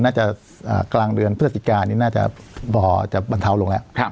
น่าจะกลางเดือนพฤศจิกานี่น่าจะบ่อจะบรรเทาลงแล้ว